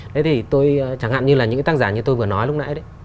thế thì tôi chẳng hạn như là những cái tác giả như tôi vừa nói lúc nãy đấy